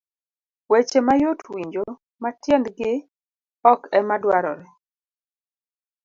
Weche mayot winjo ma tiendgi ok ema dwarore.